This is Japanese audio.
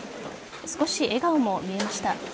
少し笑顔も見えました。